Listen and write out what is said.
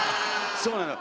そうなのよ。